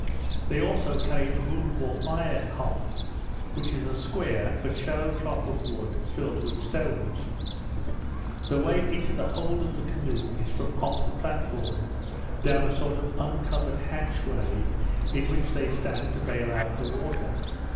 They also carry a moveable fire hearth, which is a square, but shallow trough of wood, filled with stones. The way into the hold of the canoe is from off the platform, down a sort of uncovered hatchway, in which they stand to bale out the water.